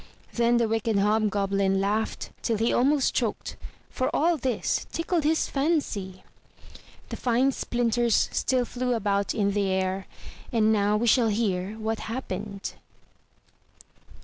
Then the wicked Hobgoblin laughed till he almost choked, for all this tickled his fancy. The fine splinters still flew about in the air; and now we shall hear what happened.